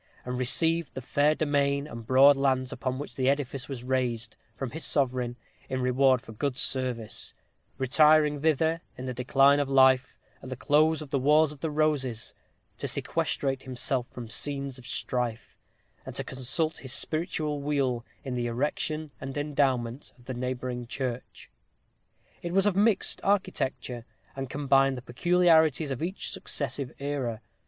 and received the fair domain and broad lands upon which the edifice was raised, from his sovereign, in reward for good service; retiring thither in the decline of life, at the close of the Wars of the Roses, to sequestrate himself from scenes of strife, and to consult his spiritual weal in the erection and endowment of the neighboring church. It was of mixed architecture, and combined the peculiarities of each successive era.